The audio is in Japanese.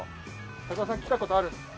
高田さん来た事あるんですか？